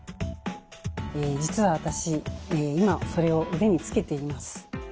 実は私今それを腕につけています。